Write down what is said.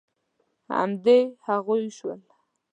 همدې هغوی شول.